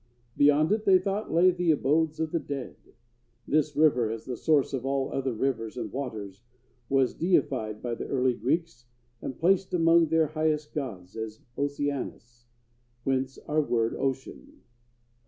Beyond it, they thought, lay the abodes of the dead. This river, as the source of all other rivers and waters, was deified by the early Greeks and placed among their highest gods as Oceanus, whence our word "ocean."